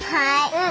うん。